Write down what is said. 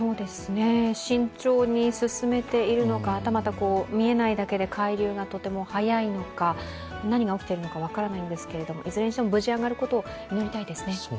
慎重に進めているのかはたまた見えないだけで海流がとても速いのか、何が起きているのか分からないんですけれども、いずれにしても無事、揚がることを祈りたいですね。